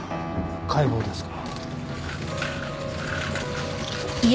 解剖ですか。